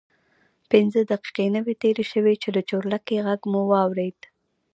پنځه دقیقې نه وې تېرې شوې چې د چورلکې غږ مو واورېد.